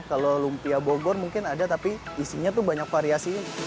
kalau lumpia bogor mungkin ada tapi isinya tuh banyak variasi